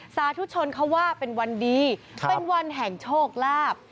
สาธุชนเขาว่าเป็นวันดีเป็นวันแห่งโชคลาภ